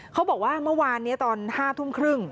เขาบอกว่าเมื่อวานนี้ตอน๕ทุ่มครึ่ง